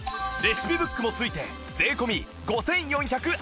レシピブックも付いて税込５４８０円